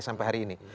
sampai hari ini